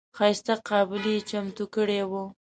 ښایسته قابلي یې چمتو کړې وه.